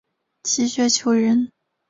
齐学裘人。